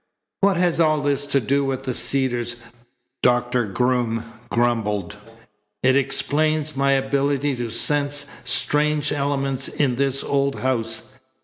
"What has all this to do with the Cedars?" Doctor Groom grumbled. "It explains my ability to sense strange elements in this old house.